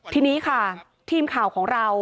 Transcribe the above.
ทีนี้ค่ะทีมข่าวของเรา